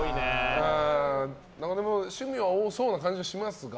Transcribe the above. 趣味は多そうな感じはしますが。